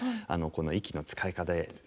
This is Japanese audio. この息の使い方で。